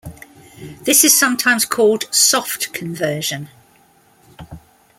This is sometimes called "soft conversion".